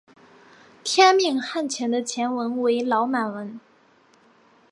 天命汗钱的钱文为老满文。